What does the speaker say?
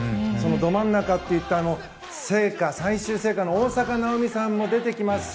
ど真ん中といったら最終聖火の大坂なおみさんも出てきますし